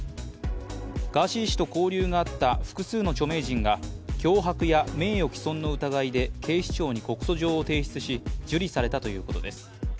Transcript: ガーシー氏と交流があった複数の著名人が脅迫や名誉毀損の疑いで警視庁に告訴状を提出し受理されたということです。